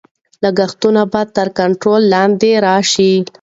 لګښتونه به تر کنټرول لاندې راشي.